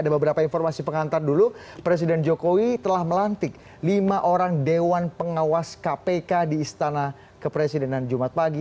ada beberapa informasi pengantar dulu presiden jokowi telah melantik lima orang dewan pengawas kpk di istana kepresidenan jumat pagi